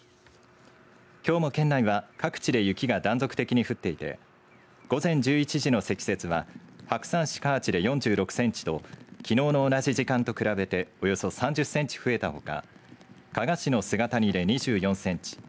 きょうも県内は各地で雪が断続的に降っていて午前１１時の積雪は白山市河内で４６センチときのうの同じ時間と比べておよそ３０センチ増えたほか加賀市の菅谷で２４センチ